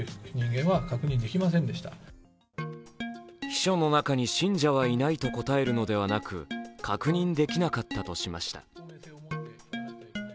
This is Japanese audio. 秘書の中に信者はいないと答えるのではなく、確認できなかったとしました。